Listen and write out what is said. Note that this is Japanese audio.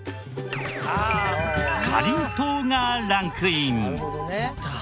かりんとうがランクイン。